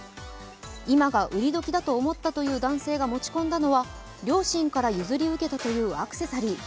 今が売り時だと思ったという男性が持ち込んだのは両親から譲り受けたというアクセサリー。